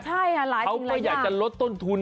ใช่หลายสิ่งหลายอย่างเขาก็อยากจะลดต้นทุน